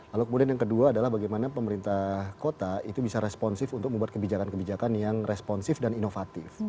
lalu kemudian yang kedua adalah bagaimana pemerintah kota itu bisa responsif untuk membuat kebijakan kebijakan yang responsif dan inovatif